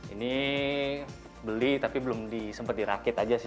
ini beli tapi belum disempet dirakit aja sih